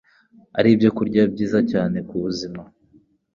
ari ibyokurya byiza cyane ku buzima.